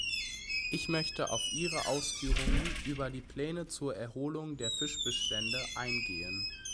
Ich möchte auf Ihre Ausführungen über die Pläne zur Erholung der Fischbestände eingehen.